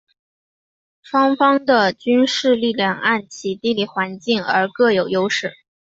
双方的军事力量按其地理环境而各有优势。